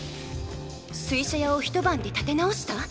水車屋を一晩で建て直した？